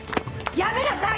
やめなさい！